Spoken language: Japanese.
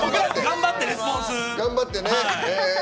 頑張ってね。